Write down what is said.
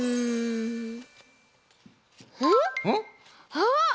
あっ！